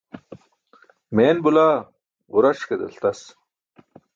Meen bulaa ġuraṣ ke daltas.